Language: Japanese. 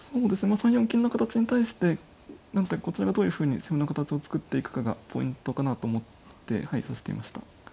３四金の形に対してこちらがどういうふうに攻めの形を作っていくかがポイントかなと思ってはい指していました。